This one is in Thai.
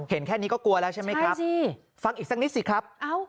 แค่นี้ก็กลัวแล้วใช่ไหมครับฟังอีกสักนิดสิครับ